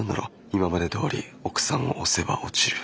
今までどおり奥さんを押せば落ちる。